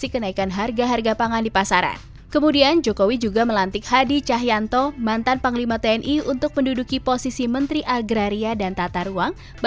dengan penuh rasa tanggung jawab